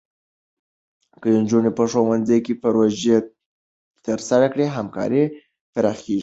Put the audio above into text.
که نجونې په ښوونځي کې پروژې ترسره کړي، همکاري پراخېږي.